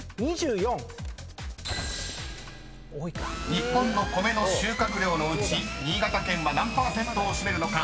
［日本の米の収穫量のうち新潟県は何％を占めるのか］